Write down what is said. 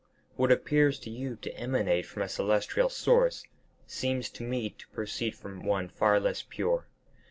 What appears to you to emanate from a celestial source, seems to me to proceed from one far less pure.